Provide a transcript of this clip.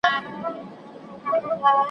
زړه به دي سوړ سي قحطی وهلی ,